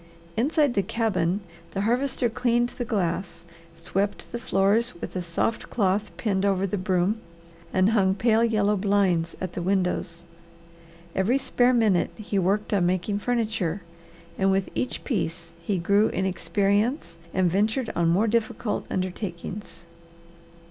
Inside the cabin the Harvester cleaned the glass, swept the floors with a soft cloth pinned over the broom, and hung pale yellow blinds at the windows. Every spare minute he worked on making furniture, and with each piece he grew in experience and ventured on more difficult undertakings.